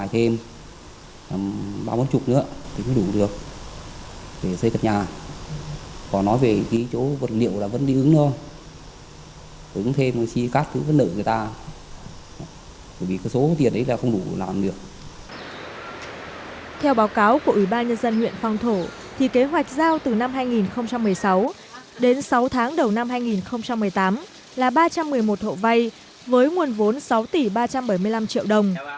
theo báo cáo của ủy ban nhân dân huyện phong thổ thì kế hoạch giao từ năm hai nghìn một mươi sáu đến sáu tháng đầu năm hai nghìn một mươi tám là ba trăm một mươi một hộ vây với nguồn vốn sáu tỷ ba trăm bảy mươi năm triệu đồng